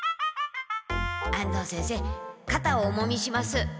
安藤先生かたをおもみします。